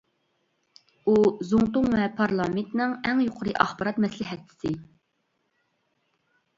ئۇ، زۇڭتۇڭ ۋە پارلامېنتنىڭ ئەڭ يۇقىرى ئاخبارات مەسلىھەتچىسى.